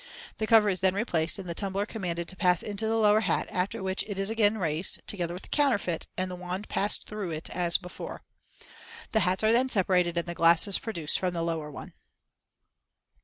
The cover is then replaced and the tumbler commanded to pass into the lower hat, after which it is again raised, together with the counterfeit, and the wand passed through it as before. The hats are then separated and the glass is produced from the lower one.